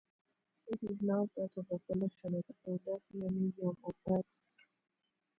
It is now part of the collection of the Philadelphia Museum of Art.